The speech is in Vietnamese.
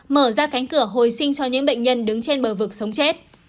mở ra cánh cửa hồi sinh cho những bệnh nhân đứng trên bờ vực sống chết